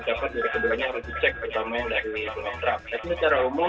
dapat diri keduanya harus dicek terutama yang dari donald trump